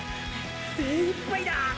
精いっぱいだ！